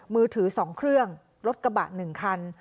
มือถือ๒เครื่องรถกระบะ๑คัน